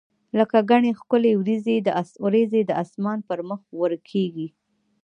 لکه ګڼي ښکلي وریځي د اسمان پر مخ ورکیږي